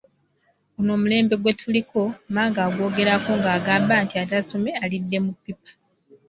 Guno omulembe gwe tuliko, Mmange agwogerako ng’agamba nti, “ Ataasome alidde mu ppipa! ”